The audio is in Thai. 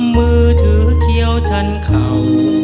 มือถือเคี้ยวชั้นเข่า